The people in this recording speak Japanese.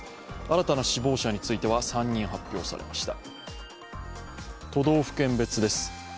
新たな死亡者については３人発表されました。